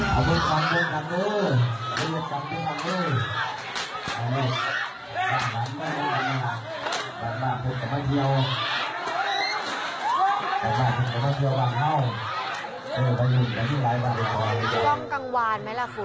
กล้องกังวานไหมล่ะฟุ้น